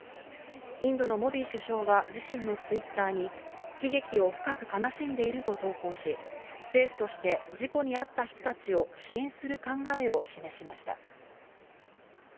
インドのモディ首相は自身のＴｗｉｔｔｅｒに悲劇を深く悲しんでいると投稿し、政府として事故に遭った人たちを支援する考えを示しました。